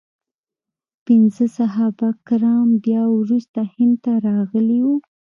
پنځه صحابه کرام بیا وروسته هند ته راغلي وو.